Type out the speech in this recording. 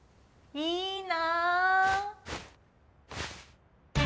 いいな！